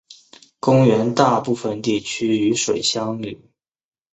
公园大部分地区与水相邻。